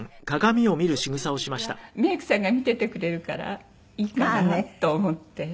でもこうしてる時はメイクさんが見ててくれるからいいかなと思って。